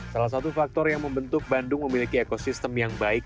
salah satu faktor yang membentuk bandung memiliki ekosistem yang baik